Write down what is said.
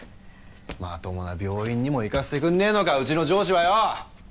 まともな病院にも行かせてくれねえのかうちの上司はよ！